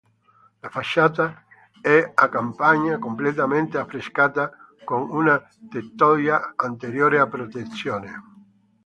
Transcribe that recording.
La facciata è a capanna completamente affrescata con una tettoia anteriore a protezione.